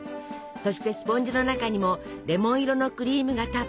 そしてスポンジの中にもレモン色のクリームがたっぷり！